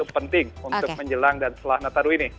jadi kalau saya ambil kesimpulannya